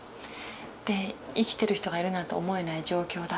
で生きてる人がいるなんて思えない状況だったと。